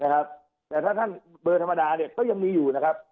แต่ถ้าท่านเบอร์ธรรมดาเนี่ยก็ยังมีอยู่นะครับ